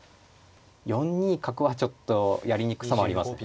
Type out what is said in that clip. ４二角はちょっとやりにくさもありますね。